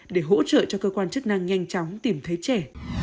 để hỗ trợ cho cơ quan chức năng nhanh chóng tìm thấy trẻ